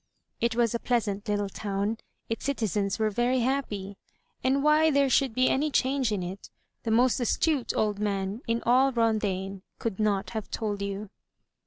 It was a pleasant little town, its citizens were very happy; and why there should be any change in it, the most astute old man in all Rondaine could not have told you.